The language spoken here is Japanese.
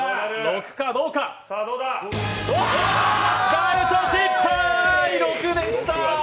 ダウト失敗、６でした。